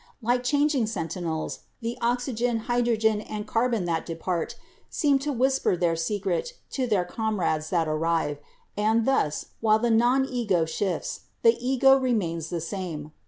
Like changing sentinels, the oxygen, hydrogen and carbon that depart seem to whisper their secret to their comrades that arrive, and thus, while the Non ego shifts, the Ego remains the same.